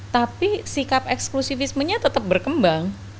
tapi sikap eksklusifismenya tetap berkembang